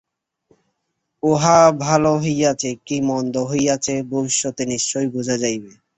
উহা ভাল হইয়াছে, কি মন্দ হইয়াছে, ভবিষ্যতে নিশ্চয়ই বুঝা যাইবে।